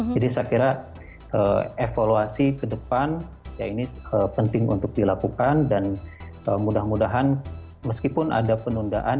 jadi saya kira evaluasi ke depan ya ini penting untuk dilakukan dan mudah mudahan meskipun ada penundaan